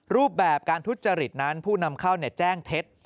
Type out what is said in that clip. รูปแบบการทุจริตนั้นผู้นำเข้าแจ้งเท็จ